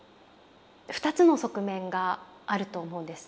２つの側面があると思うんです。